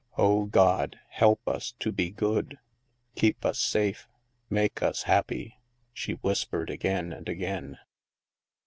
"Oh, God, help us to be good. Keep us safe; make us happy," she whispered again and again.